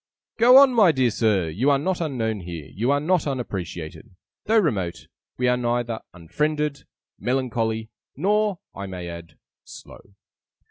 'Go on, my dear Sir! You are not unknown here, you are not unappreciated. Though "remote", we are neither "unfriended", "melancholy", nor (I may add) "slow".